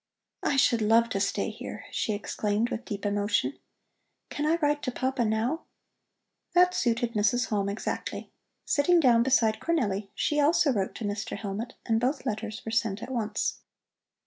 "I should love to stay here!" she exclaimed with deep emotion. "Can I write to Papa now?" That suited Mrs. Halm exactly. Sitting down beside Cornelli, she also wrote to Mr. Hellmut, and both letters were sent at once.